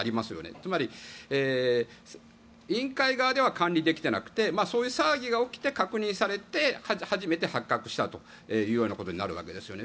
つまり、委員会側では管理できていなくてそういう騒ぎが起きて確認されて初めて発覚したというようなことになるわけですよね。